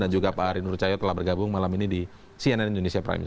dan juga pak arie nurcayo telah bergabung malam ini di cnn indonesia primus